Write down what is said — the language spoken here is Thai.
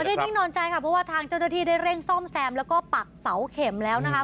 นิ่งนอนใจค่ะเพราะว่าทางเจ้าหน้าที่ได้เร่งซ่อมแซมแล้วก็ปักเสาเข็มแล้วนะคะ